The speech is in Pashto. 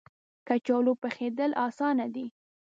کچالو پخېدل اسانه دي